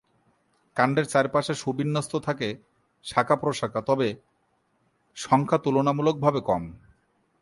কাণ্ডের চারপাশে সুবিন্যস্ত থাকে শাখা-প্রশাখা, তবে সংখ্যা তুলনামূলকভাবে কম।